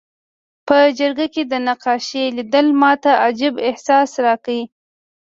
په جګړه کې د نقاشۍ لیدل ماته عجیب احساس راکړ